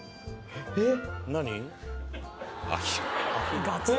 えっ！？